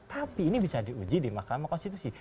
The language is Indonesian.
tapi ini bisa diuji di mahkamah konstitusi